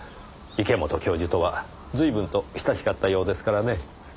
池本教授とは随分と親しかったようですからね。